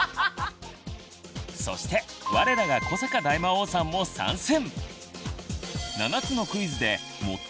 そして我らが古坂大魔王さんも参戦！